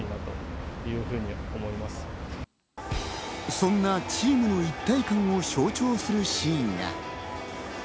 そんなチームの一体感を象徴するシーンが。